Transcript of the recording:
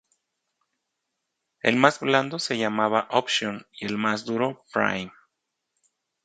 El más blando se llama "option" y el más duro "prime".